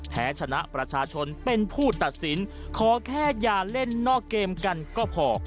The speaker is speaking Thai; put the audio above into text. แพ้ชนะประชาชนเป็นผู้ตัดสินขอแค่อย่าเล่นนอกเกมกันก็พอ